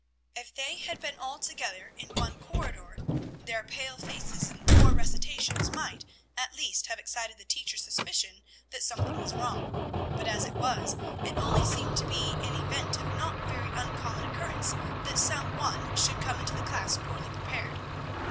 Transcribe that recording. If they had been all together in one corridor, their pale faces and poor recitations might, at least, have excited the teachers' suspicion that something was wrong; but, as it was, it only seemed to be an event of not very uncommon occurrence that some one should come into the class poorly prepared.